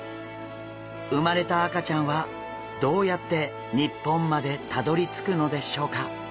生まれた赤ちゃんはどうやって日本までたどりつくのでしょうか？